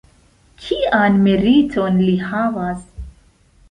Kian meriton li havas?